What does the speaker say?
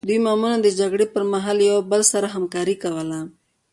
دوی معمولا د جګړې پرمهال له یو بل سره همکاري کوله.